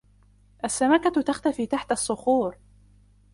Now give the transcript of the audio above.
السمكة تختفي تحت الصخور.